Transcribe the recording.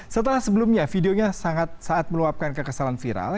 setelah sebelumnya videonya saat meluapkan kekesalan viral